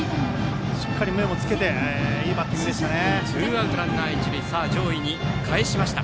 しっかり目もつけていいバッティングでしたね。